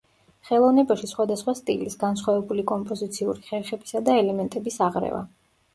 ხელოვნებაში სხვადასხვა სტილის, განსხვავებული კომპოზიციური ხერხებისა და ელემენტების აღრევა.